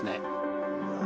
うわ。